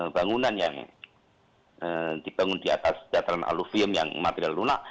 bangunan yang dibangun di atas dataran aluvium yang material lunak